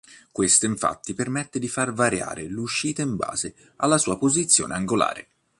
Questo infatti permette di far variare l'uscita in base alla sua posizione angolare.